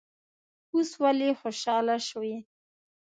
اوس ولې خوشاله شوې.